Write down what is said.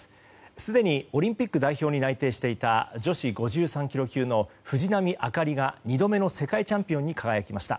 すでにオリンピック代表に内定していた女子５３ｋｇ級の藤波朱理が２度目の世界チャンピオンに輝きました。